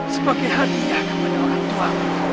sebagai hadiah kepada orang tuamu